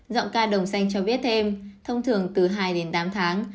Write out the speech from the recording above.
giọng ca đồng xanh cho biết thêm thông thường từ hai đến tám tháng